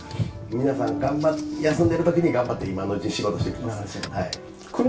皆さん、休んでるときに、頑張って今のうちに仕事しておきます。